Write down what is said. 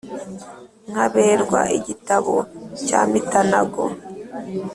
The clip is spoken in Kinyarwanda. nkaberwa igitabo cya mitanago.